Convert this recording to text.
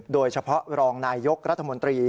โดยเฉพาะรองนายยกรัฐมนตรี